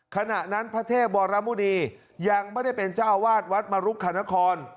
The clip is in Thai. ขณะนั้นพระเทพวรมุณียังไม่ได้เป็นเจ้าวาดวัดมรุกคณคร